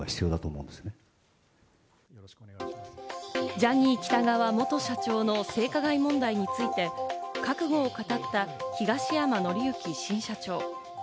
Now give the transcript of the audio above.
ジャニー喜多川元社長の性加害問題について、覚悟を語った東山紀之新社長。